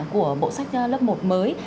của bộ sách lớp một mới